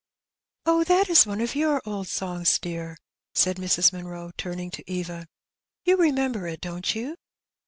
'' '^Oh, that is one of your old songs, dear," said Mrs. Munroe, turning to Eva. '^You remember it, don't you?"